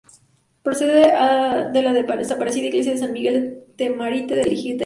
Procede de la desaparecida iglesia de San Miguel de Tamarite de Litera.